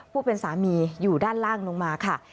ผู้เป็นสามีอยู่ด้านล่างลงมาค่ะ